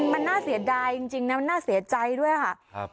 มันน่าเสียดายจริงนะมันน่าเสียใจด้วยค่ะ